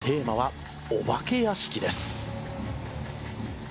テーマはお化け屋敷です。